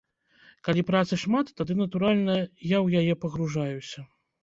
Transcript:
Калі працы шмат, тады, натуральна, я ў яе пагружаюся.